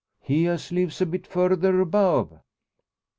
"He as lives a bit further above."